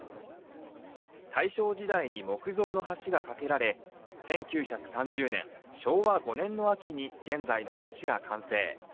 大正時代に木造の橋がかけられ１９３０年、昭和５年の秋に現在の橋が完成。